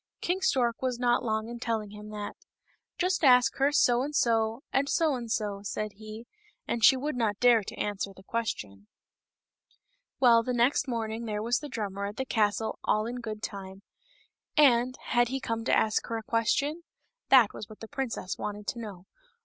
King Stork was not long in telling him that; *' Just ask her so and so and so and so," said he, " and she would not dare to answer the question." KING STORK. 301 Well, the next morning there was the drummer at the castle all in good time ; and, had he come to ask her a question ? that was what the princess wanted to know.